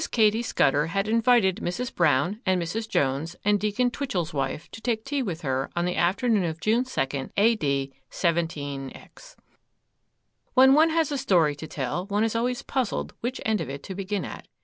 KATY SCUDDER had invited Mrs. Brown, and Mrs. Jones, and Deacon Twitchel's wife to take tea with her on the afternoon of June second, A. D. 17—. When one has a story to tell, one is always puzzled which end of it to begin at.